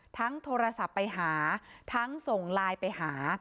โทรศัพท์ไปหาทั้งส่งไลน์ไปหา